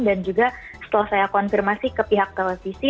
dan juga setelah saya konfirmasi ke pihak televisi